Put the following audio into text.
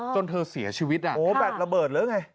จนเธอเสียชีวิตโอ้แบตระเบิดแล้วไง